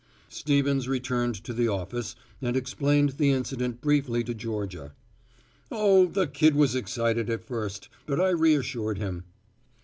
Stevens returned to the office and explained the incident briefly to Georgia, "Oh, the kid was excited at first, but I reassured him."